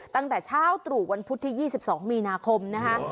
ตั้งแต่เช้าตรู่วันพุธที่๒๒มีนาคมนะคะ